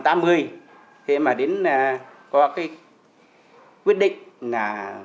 thế mà đến qua cái quyết định là